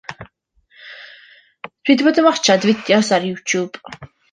Dw i 'di bod yn watsiad fideos ar Youtube.